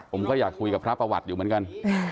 ผมก็อยากคุยกับพระประวัติอยู่เหมือนกัน